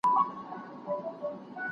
زه مخکي د کتابتوننۍ سره مرسته کړې وه؟